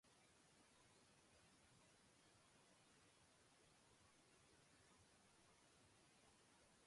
Y vista la estrella, se regocijaron con muy grande gozo.